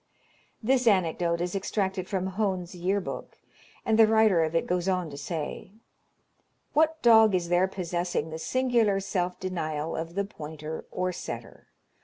This anecdote is extracted from Hone's "Year Book," and the writer of it goes on to say, "What dog is there possessing the singular self denial of the pointer or setter?